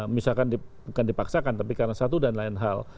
misalkan bukan dipaksakan tapi karena satu dan lain hal